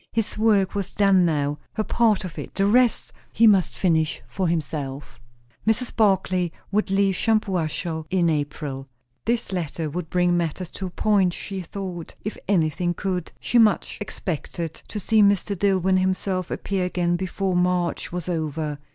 His work was done now, her part of it; the rest he must finish for himself. Mrs. Barclay would leave Shampuashuh in April. This letter would bring matters to a point, she thought, if anything could; she much expected to see Mr. Dillwyn himself appear again before March was over.